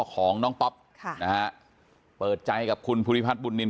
ของน้องป๊อปค่ะนะฮะเปิดใจกับคุณภูริพัฒนบุญนิน